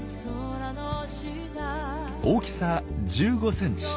大きさ１５ｃｍ。